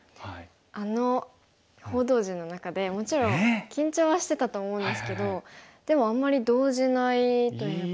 あの報道陣の中でもちろん緊張はしてたと思うんですけどでもあんまり動じないというか。